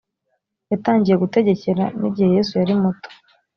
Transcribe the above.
yatangiye gutegekera n’igihe yesu yari muto